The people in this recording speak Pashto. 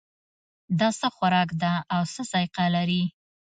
دا څه خوراک ده او څه ذائقه لري